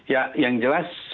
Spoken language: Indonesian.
ya yang jelas